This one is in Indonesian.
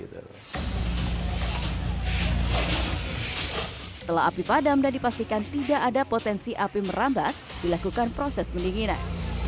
setelah api padam dan dipastikan tidak ada potensi api merambat dilakukan proses pendinginan